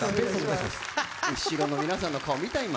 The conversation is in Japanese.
後ろの皆さんの顔、見た？